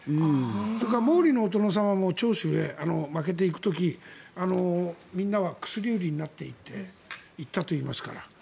それから毛利の殿様も長州へ負けて行く時にみんなは薬売りになっていって行ったといいますから。